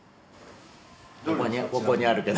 ここにここにあるけど。